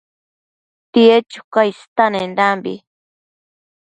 tied chuca istenendambi